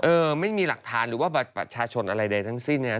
เออไม่มีหลักทานหรือว่าปัญหาชนอะไรเกณฑ์ทั้งสิ้นเนี่ย